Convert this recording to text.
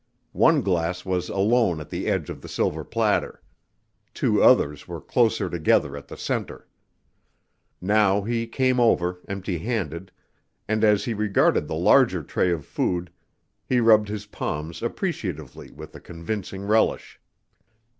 One glass was alone at the edge of the silver platter. Two others were closer together at the center. Now he came over, empty handed, and as he regarded the larger tray of food, he rubbed his palms appreciatively with a convincing relish.